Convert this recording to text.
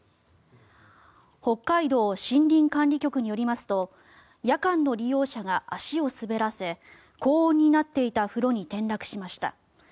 北海道森林管理局によりますと夜間の利用者が足を滑らせ高温になっていた風呂に転落しました。